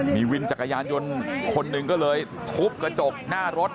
มีวินจักรยานยนต์คนหนึ่งก็เลยทุบกระจกหน้ารถ